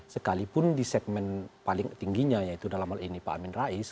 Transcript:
sekalipun di segmen paling tingginya yaitu dalam hal ini pak amin rais